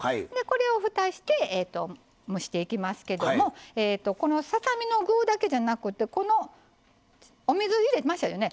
ふたして蒸していきますけどささ身の具だけじゃなくてお水入れましたよね